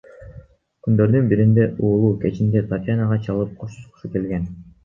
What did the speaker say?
Күндөрдүн биринде уулу кечинде Татьянага чалып, коштошкусу келген.